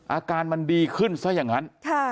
อาการมันดีขึ้นซะอย่างนั้น